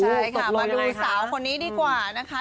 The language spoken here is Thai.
มาดูสาวคนนี้ดีกว่านะคะ